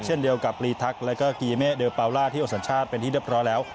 เช่นเดียวกับลีทักแล้วก็กีเมเดอร์ปาล่าที่โอสัญชาติเป็นที่เรียบร้อยแล้ว